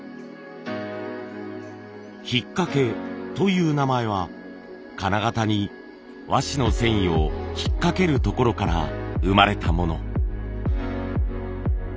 「ひっかけ」という名前は金型に和紙の繊維をひっかけるところから生まれたもの。